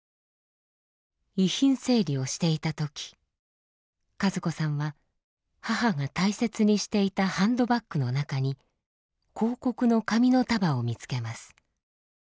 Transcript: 遺品整理をしていた時和子さんは母が大切にしていたハンドバッグの中に広告の紙の束を見つけます。